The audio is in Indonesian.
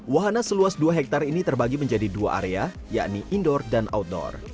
wahana seluas dua hektare ini terbagi menjadi dua area yakni indoor dan outdoor